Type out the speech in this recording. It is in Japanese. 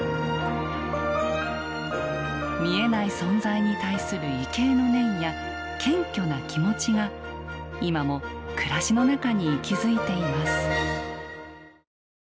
見えない存在に対する畏敬の念や謙虚な気持ちが今も暮らしの中に息づいています。